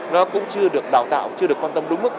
nó cũng chưa được đào tạo chưa được quan tâm đúng mức